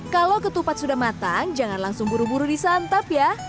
kalau ketupat sudah matang jangan langsung buru buru disantap ya